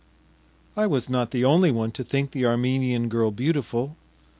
I was not the only one to think the Armenian girl beautiful.